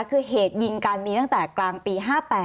คือเหตุยิงกันมีตั้งแต่กลางปี๕๘